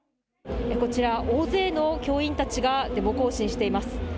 こちら大勢の教員たちがデモ行進しています。